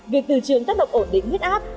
việc từ trường thắc động ổn định huyết áp